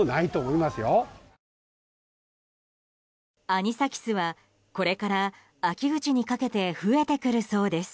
アニサキスはこれから秋口にかけて増えてくるそうです。